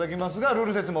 ルール説明